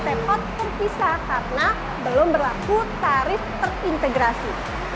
hanya harus terpisah karena belum berlaku tarif terintegrasi